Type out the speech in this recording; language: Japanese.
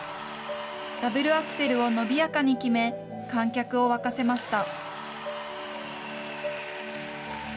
ダブルアクセルを伸びやかに決め、観客を沸かせました。